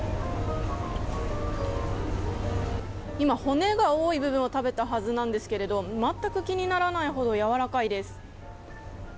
今、骨が多い部分を食べたはずなんですけれどまったく気にならないほどやわらかいです。